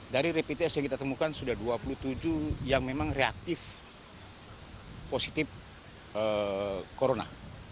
dari rapid test yang kita temukan sudah dua puluh tujuh yang memang reaktif positif corona